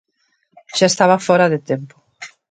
Xa estaba fóra de tempo.